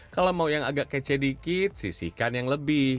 kalau mau yang agak kece dikit sisihkan yang lebih